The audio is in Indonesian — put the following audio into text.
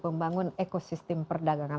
membangun ekosistem perdagangan